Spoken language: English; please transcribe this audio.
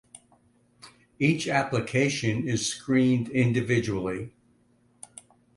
Each application is screened individually.